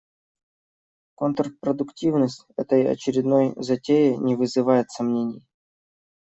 Контрпродуктивность этой очередной затеи не вызывает сомнений.